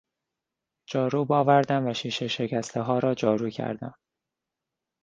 جاروب آوردم و شیشه شکستهها را جارو کردم.